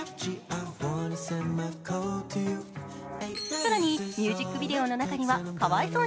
更にミュージックビデオの中には可哀想に！